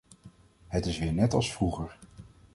Het is weer net als vroeger.